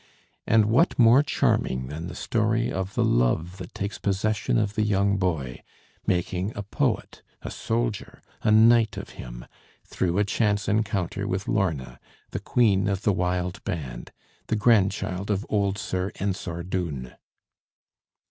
And what more charming than the story of the love that takes possession of the young boy, making a poet, a soldier, a knight of him, through a chance encounter with Lorna, the queen of the wild band, the grandchild of old Sir Ensor Doone?